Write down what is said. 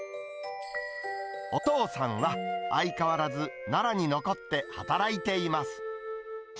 お父さんは相変わらず奈良に残って働いています。